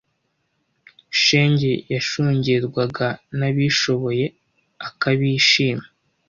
Shenge yashungerwaga n’ abishoboye akabishima,